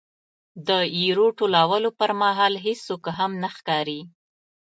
د ایرو ټولولو پرمهال هېڅوک هم نه ښکاري.